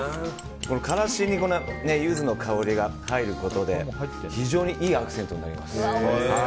この辛子にユズの香りが入ることで非常にいいアクセントになります。